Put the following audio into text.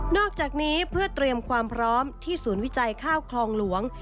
อกจากนี้เพื่อเตรียมความพร้อมที่ศูนย์วิจัยข้าวคลองหลวง